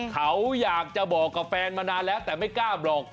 เขาอยากจะบอกกับแฟนมานานแล้วแต่ไม่กล้าบอก